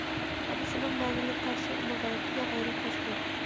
دادىسىنىڭ مەنىلىك قارىشى ئۇنىڭ غەيرىتىگە غەيرەت قوشتى.